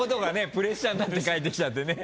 プレッシャーになって返ってきたんでね。